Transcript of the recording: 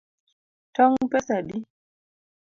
Tong’ pesa adi?